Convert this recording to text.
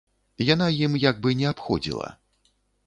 Яна ім як бы не абходзіла.